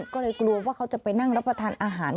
ก็เลยกลัวว่าเขาจะไปนั่งรับประทานอาหาร